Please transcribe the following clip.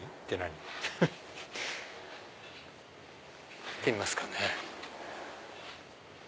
入ってみますかね。